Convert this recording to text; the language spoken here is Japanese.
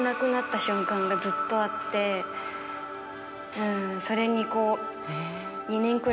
うんそれにこう。